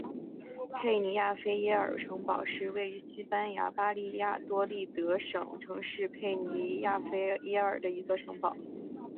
佩尼亚菲耶尔城堡是位于西班牙巴利亚多利德省城市佩尼亚菲耶尔的一座城堡。